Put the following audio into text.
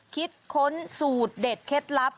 ค้นสูตรเด็ดเคล็ดลับ